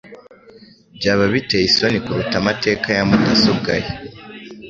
byaba biteye isoni kuruta amateka ya mudasobwa ye.